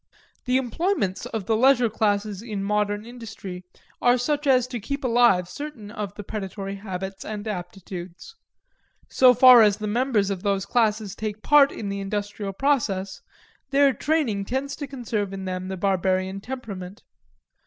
The employments of the leisure classes in modern industry are such as to keep alive certain of the predatory habits and aptitudes. So far as the members of those classes take part in the industrial process, their training tends to conserve in them the barbarian temperament.